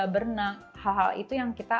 berenang hal hal itu yang kita